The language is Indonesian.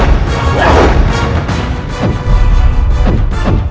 aku akan menyerangmu